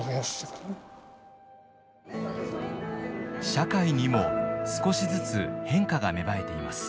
社会にも少しずつ変化が芽生えています。